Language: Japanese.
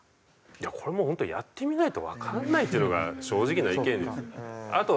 これもうホントやってみないとわからないっていうのが正直な意見ですね。